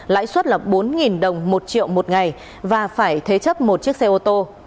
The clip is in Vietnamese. lãi suất là bốn đồng một triệu một ngày và phải thế chấp một chiếc xe ô tô